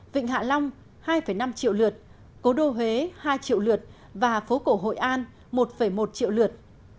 vịnh hạ long hai năm triệu lượt cố đô huế hai triệu lượt và phố cổ hội an một một triệu lượt